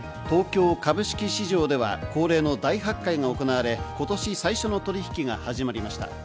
東京株式市場では恒例の大発会が行われ、今年最初の取引が始まりました。